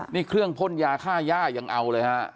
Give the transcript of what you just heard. นี่เครื่องพ่นยาค่าย่ายังเอาเลยฮะ